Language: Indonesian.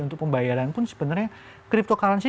untuk pembayaran pun sebenarnya cryptocurrency